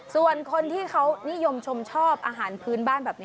ส่วนคนที่เขานิยมชมชอบอาหารพื้นบ้านแบบนี้